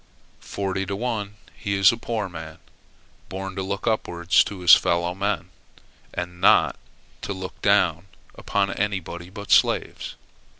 Forty to one he is a poor man, born to look upwards to his fellow men and not to look down upon anybody but slaves.